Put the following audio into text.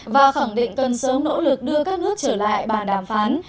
và khẳng định cần sớm nỗ lực đưa các nước trở lại bàn đàm phán